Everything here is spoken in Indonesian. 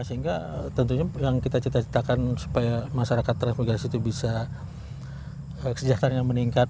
sehingga tentunya yang kita cita citakan supaya masyarakat transbikasi itu bisa kesejahteraan yang meningkat